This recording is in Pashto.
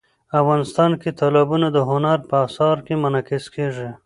افغانستان کې تالابونه د هنر په اثار کې منعکس کېږي.